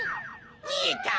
みえた。